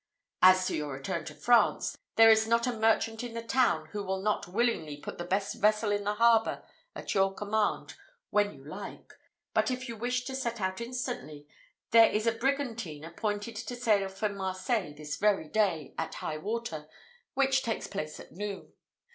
As to your return to France, there is not a merchant in the town who will not willingly put the best vessel in the harbour at your command when you like; but if you wish to set out instantly, there is a brigantine appointed to sail for Marseilles this very day, at high water, which takes place at noon.